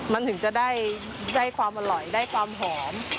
มันถึงจะได้ความอร่อยได้ความหอม